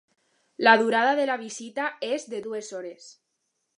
La durada de la visita és de dues hores.